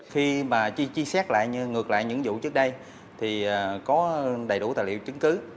khi mà chi xét lại như ngược lại những vụ trước đây thì có đầy đủ tài liệu chứng cứ